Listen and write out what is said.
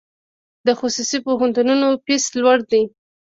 د خصوصي پوهنتونونو فیس لوړ دی؟